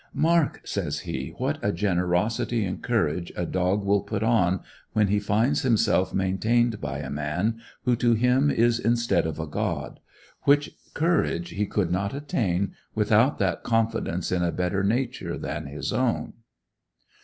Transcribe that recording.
"Mark," says he, "what a generosity and courage a dog will put on, when he finds himself maintained by a man, who to him is instead of a God which courage he could not attain, without that confidence in a better nature than his own."